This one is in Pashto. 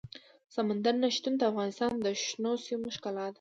سمندر نه شتون د افغانستان د شنو سیمو ښکلا ده.